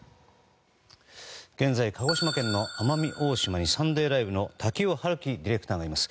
現在鹿児島県の奄美大島に「サンデーＬＩＶＥ！！」の瀧尾春紀ディレクターがいます。